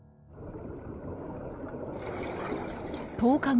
１０日後。